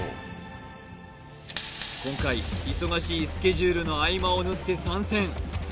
今回忙しいスケジュールの合間を縫って参戦